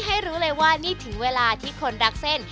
ให้รู้เลยว่านี่ถึงเวลาที่คนรักเส้น